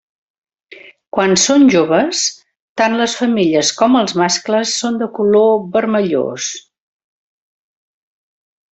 Quan són joves, tant les femelles com els mascles són de color vermellós.